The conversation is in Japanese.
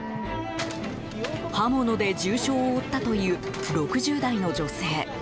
刃物で重傷を負ったという６０代の女性。